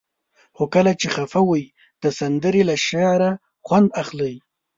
خو کله چې خفه وئ؛ د سندرې له شعره خوند اخلئ.